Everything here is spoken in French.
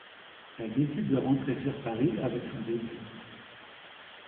Elle décide de rentrer sur Paris avec son bébé.